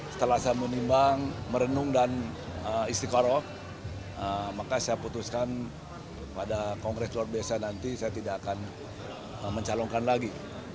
setelah saya menimbang merenung dan istiqarah maka saya putuskan pada kongres luar biasa nanti saya tidak akan mencalonkan lagi